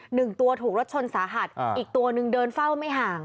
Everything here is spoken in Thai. หนึ่งตัวถูกรถชนสาหัสอ่าอีกตัวหนึ่งเดินเฝ้าไม่ห่าง